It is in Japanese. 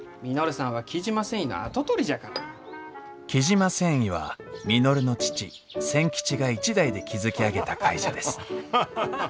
雉真繊維は稔の父千吉が一代で築き上げた会社です。